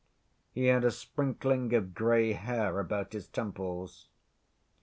He had a sprinkling of gray hair about his temples.